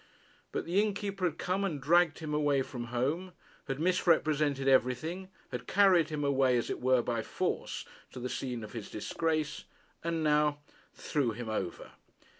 But the innkeeper had come and dragged him away from home, had misrepresented everything, had carried him away, as it were, by force to the scene of his disgrace, and now threw him over!